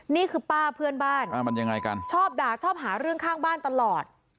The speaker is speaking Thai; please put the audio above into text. นี่คือป้าเพื่อนบ้านชอบด่าชอบหาเรื่องข้างบ้านตลอด